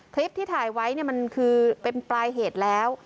คลิปที่ถ่ายไว้มันคือเป็นปลายเหตุแล้ว